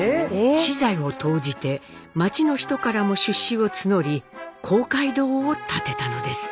私財を投じて町の人からも出資を募り公会堂を建てたのです。